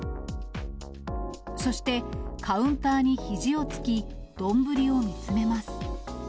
そしてカウンターにひじをつき、丼を見つめます。